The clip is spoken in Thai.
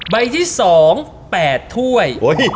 ใบที่สอง๘ถ้วย